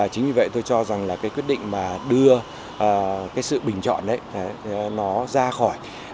chính vì vậy tôi cho rằng là cái quyết định mà đưa cái sự bình chọn ấy nó ra khỏi